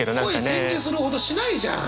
恋展示するほどしないじゃん！